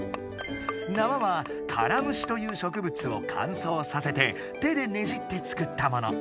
なわは「カラムシ」というしょくぶつをかんそうさせて手でねじって作ったもの。